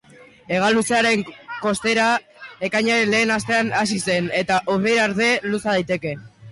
Hegaluzearen kostera ekainaren lehen astean hasi zen eta urrira arte luza daiteke.